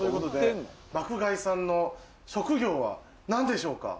爆買いさんの職業は何でしょうか？